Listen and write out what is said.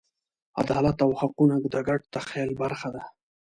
عدالت او حقونه د ګډ تخیل برخه ده.